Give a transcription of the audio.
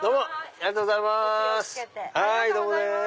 ありがとうございます。